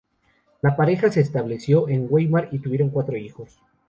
La pareja se estableció en Weimar y tuvieron cuatro hijos.